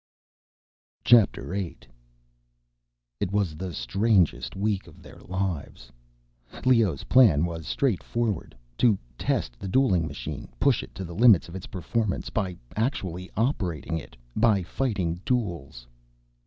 VIII It was the strangest week of their lives. Leoh's plan was straightforward: to test the dueling machine, push it to the limits of its performance, by actually operating it—by fighting duels.